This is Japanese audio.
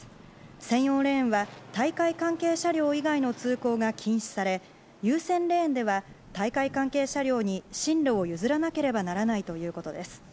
専用レーンは大会関係車両以外の通行が禁止され優先レーンでは大会関係車両に進路を譲らなければならないということです。